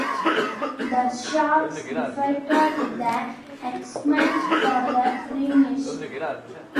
The Sharks defeated the Axemen for the premiership.